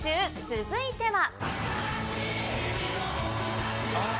続いては。